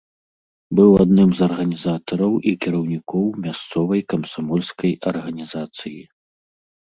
Быў адным з арганізатараў і кіраўнікоў мясцовай камсамольскай арганізацыі.